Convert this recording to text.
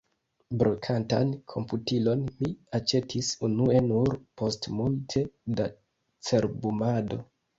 Brokantan komputilon mi aĉetis unue nur post multe da cerbumado.